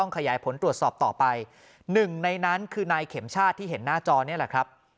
ขยายผลตรวจสอบต่อไปหนึ่งในนั้นคือนายเข็มชาติที่เห็นหน้าจอนี่แหละครับ